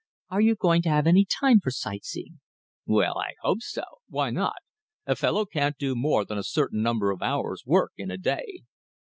"Are you going to have any time for sight seeing?" "Well, I hope so. Why not? A fellow can't do more than a certain number of hours' work in a day."